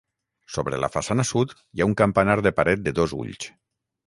Sobre la façana sud, hi ha un campanar de paret de dos ulls.